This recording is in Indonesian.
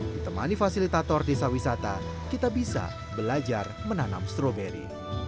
ditemani fasilitator desa wisata kita bisa belajar menanam stroberi